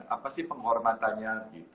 apa sih penghormatannya